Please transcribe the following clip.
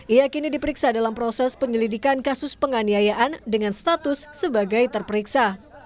ia kini diperiksa dalam proses penyelidikan kasus penganiayaan dengan status sebagai terperiksa